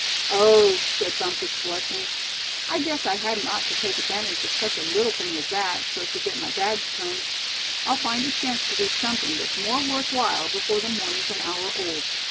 "Oh!" said Bumpus, blushing, "I guess I hadn't ought to take advantage of such a little thing as that, so's to get my badge turned. I'll find a chance to do something that's more worth while, before the morning's an hour old.